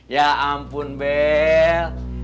ya ampun bell